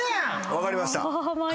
分かりました。